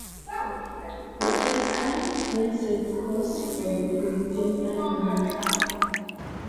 Rochester then set course for the Philippine Islands.